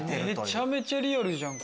めちゃめちゃリアルじゃん。